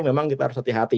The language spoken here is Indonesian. memang kita harus hati hati